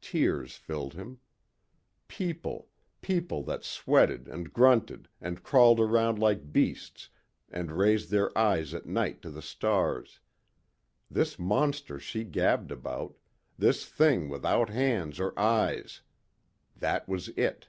Tears filled him. People ... people that sweated and grunted and crawled around like beasts and raised their eyes at night to the stars.... This monster she gabbed about, this thing without hands or eyes. That was it.